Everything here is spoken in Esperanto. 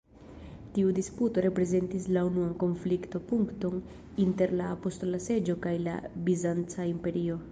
Tiu disputo reprezentis la unuan konflikto-punkton inter la Apostola Seĝo kaj la bizanca imperio.